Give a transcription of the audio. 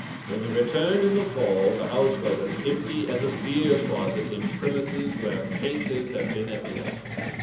When we returned in the fall, the house was as empty as a beer closet in premises where painters have been at work.